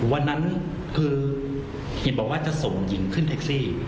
วันนั้นคือเห็นบอกว่าจะส่งหญิงขึ้นแท็กซี่